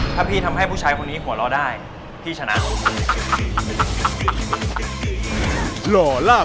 ถ้าพี่ทำให้ผู้ชายคนนี้หัวเราะได้พี่ชนะ